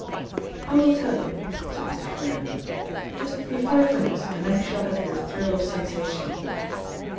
"I will tell you," said Mr. Froyant. "Just give me five minutes and then you shall have your thrill of sensation."